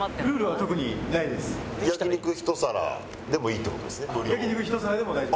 焼肉１皿でもいいっていう事ですね？